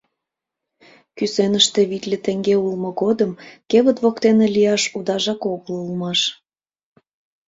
Кӱсеныште витле теҥге улмо годым кевыт воктене лияш удажак огыл улмаш.